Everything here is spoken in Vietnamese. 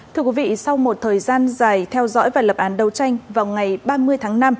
thưa quý vị sau một thời gian dài theo dõi và lập án đấu tranh vào ngày ba mươi tháng năm